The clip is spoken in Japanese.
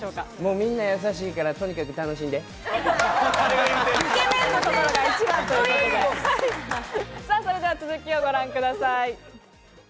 みんな優しいから、とにかくそれでは続きをご覧ください。